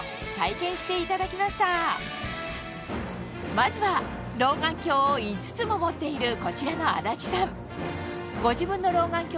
まずは老眼鏡を５つも持っているこちらの安達さん